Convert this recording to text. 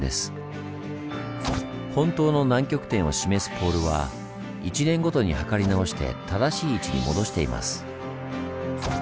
本当の南極点を示すポールは１年ごとに測り直して正しい位置に戻しています。